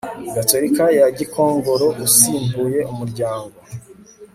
Gatolika ya Gikongoro usimbuye Umuryango